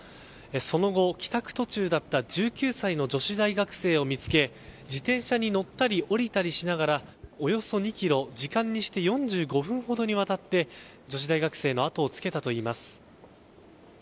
その後、帰宅途中だった１９歳の女子大学生を見つけ自転車に乗ったり降りたりしながらおよそ２ｋｍ時間にして４５分ほどにわたって女子大学生のあとをつけたといいます。